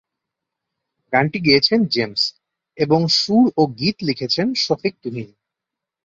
গানটি গেয়েছেন জেমস এবং সুর ও গীত লিখেছেন শফিক তুহিন।